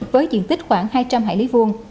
với diện tích khoảng hai trăm linh hải lý vuông